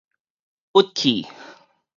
鬱氣